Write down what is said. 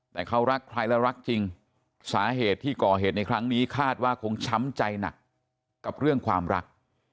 แต่เขารักใครและรักจริงสาเหตุที่ก่อเหตุในครั้งนี้คาดว่าคงช้ำใจหนักกับเรื่องความรัก